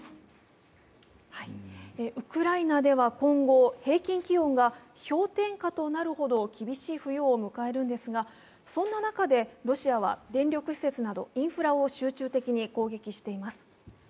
ウクライナでは今後、平均気温が氷点下となるほど厳しい冬を迎えるんですが、そんな中でロシアは電力施設などインフラを集中的に攻撃しています。